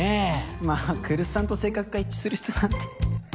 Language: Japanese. まあ来栖さんと性格が一致する人なんて。